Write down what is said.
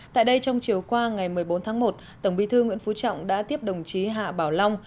tại đây trong chiều qua ngày một mươi bốn tháng một tổng bí thư nguyễn phú trọng đã tiếp đồng chí hạ bảo long